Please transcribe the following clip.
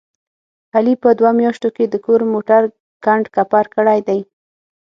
علي په دوه میاشتو کې د کور موټر کنډ کپر کړی دی.